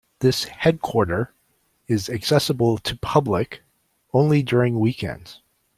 This headquarter is accessible to public only during weekends.